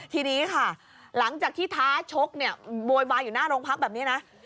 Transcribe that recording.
ทีนี้ค่ะหลังจากที่ท้าชกเนี่ยโวยวายอยู่หน้าโรงพักแบบนี้นะ